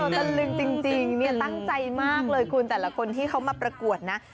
ตะลึงจริงเนี่ยตั้งใจมากเลยคุณแต่ละคนที่เขามาประกวดนะ